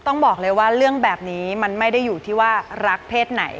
ต้องบอกเลยว่าเรื่องแบบนี้มันไม่ได้อยู่ที่ว่ารักเพศไหน